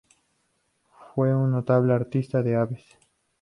Fue un notable artista de aves.